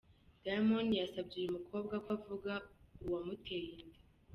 Diamond yasabye uyu mukobwa ko avuga uwamuteye inda